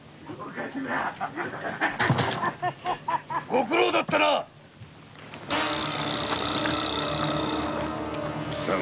・ご苦労だったな貴様